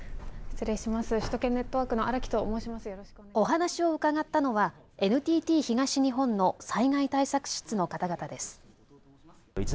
お話を伺ったのはＮＴＴ東日本の災害対策室の方々です。